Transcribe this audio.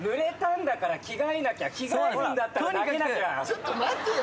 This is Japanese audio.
ちょっと待ってよ。